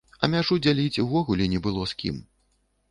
А мяжу дзяліць увогуле не было з кім.